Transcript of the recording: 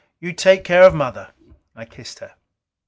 "You take care of Mother." I kissed her.